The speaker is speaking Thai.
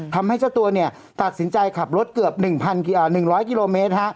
ทำให้เจ้าตัวตัดสินใจขับรถเกือบ๑๐๐กิโลเมตร